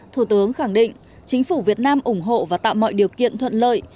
thủ tướng khẳng định chính phủ việt nam ủng hộ và tạo mọi điều kiện thuận lợi